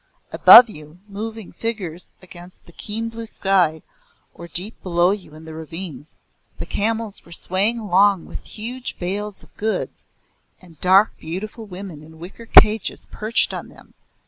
Above you, moving figures against the keen blue sky, or deep below you in the ravines. "The camels were swaying along with huge bales of goods, and dark beautiful women in wicker cages perched on them.